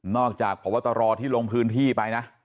จากพบตรที่ลงพื้นที่ไปนะ